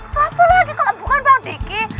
satu lagi kalau bukan bang diki